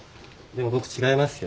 でも僕違いますよ。